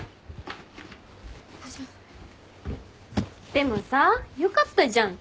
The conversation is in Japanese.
でもさよかったじゃん。